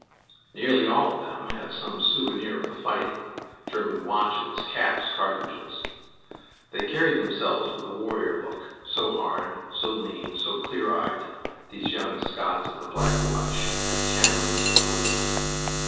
Nearly all of them had some "souvenir" of the fighting German watches, caps, cartridges. They carried themselves with a warrior look, so hard, so lean, so clear eyed, these young Scots of the Black Watch and Camerons and Gordons.